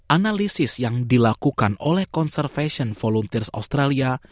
analisis yang dilakukan oleh konservation volunteers australia